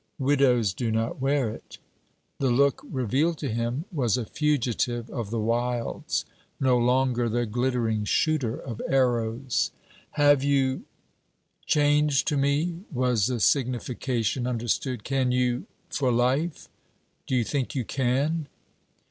'Widows do not wear it.' The look revealed to him was a fugitive of the wilds, no longer the glittering shooter of arrows. 'Have you...?' changed to me, was the signification understood. 'Can you? for life'. Do you think you can?'